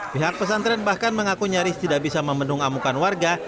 pihak pesantren bahkan mengaku nyaris tidak bisa membendung amukan warga